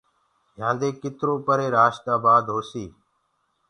يهآندي ڪترو پري رآشدآبآد هوسي